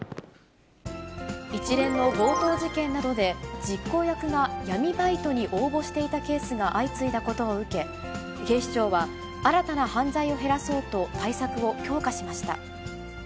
一連の強盗事件などで実行役が闇バイトに応募していたケースが相次いだことを受け、警視庁は新たな犯罪を減らそうと対策を強化しました。